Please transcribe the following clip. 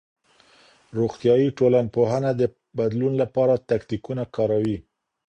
روغتيائي ټولنپوهنه د بدلون لپاره تکتيکونه کاروي.